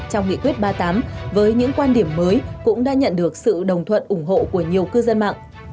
trong nghị quyết ba mươi tám với những quan điểm mới cũng đã nhận được sự đồng thuận ủng hộ của nhiều cư dân mạng